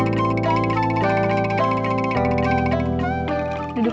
ledang ledang ledang ledang